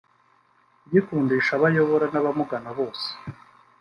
kugikundisha abo ayobora n’abamugana bose